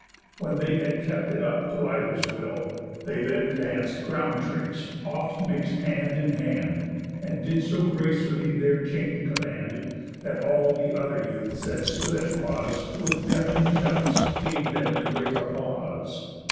When they had kept it up to either's will, They then danc'd ground tricks, oft mix'd hand in hand, And did so gracefully their change command, That all the other youth that stood at pause, With deaf'ning shouts, gave them the great applause.